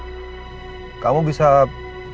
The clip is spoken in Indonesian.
mereka dil admirasi ngrandainho